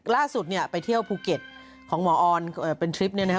ล่าสุดไปเที่ยวภูเก็ตของหมออร์นเป็นทริปนี้นะฮะ